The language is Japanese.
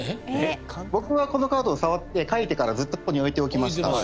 僕がこのカードを触って書いてからずっとここに置いておきました。